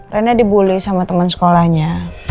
reyna dibully sama temen sekolahnya